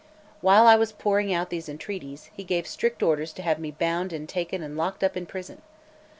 While I was pouring out these entreaties, he gave strict orders to have me bound and taken and locked up in prison.